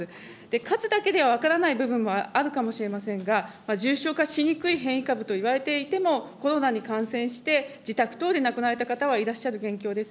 数だけでは分からない部分もあるかもしれませんが、重症化しにくい変異株と言われていても、コロナに感染して自宅等で亡くなられた方はいらっしゃる現況です。